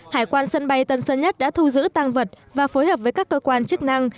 hải quan sân bay tân sơn nhất đã thu giữ tăng vật và phối hợp với các cơ quan chức năng